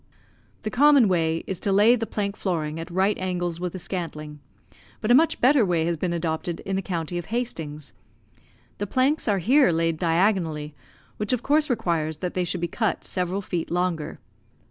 The common way is to lay the plank flooring at right angles with the scantling, but a much better way has been adopted in the county of Hastings. The planks are here laid diagonally, which of course requires that they should be cut several feet longer.